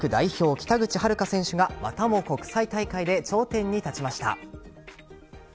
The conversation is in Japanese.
北口榛花選手がまたも国際大会で頂点に立ちました。